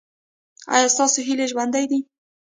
ایا ستاسو هیلې ژوندۍ دي؟